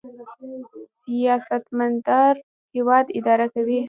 سیاستمدار هیواد اداره کوي